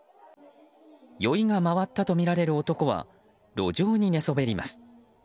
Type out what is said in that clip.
酔いが回ったとみられる男は路上に寝そべります。